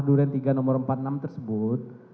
duren tiga nomor empat puluh enam tersebut